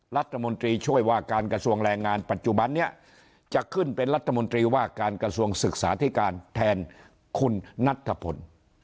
รัฐมนตรีช่วยว่าการกระทรวงแรงงานปัจจุบันนี้จะขึ้นเป็นรัฐมนตรีว่าการกระทรวงศึกษาธิการแทนคุณนัทธพล